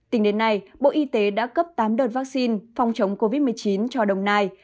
tính đến nay bộ y tế đã cấp tám đợt vaccine phòng chống covid một mươi chín cho đồng nai